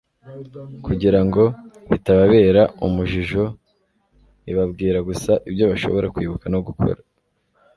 kugira ngo bitababera umjijo. Ibabwira gusa ibyo bashobora kwibuka no gukora.